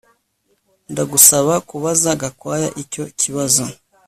Ndagusaba kubaza Gakwaya icyo kibazo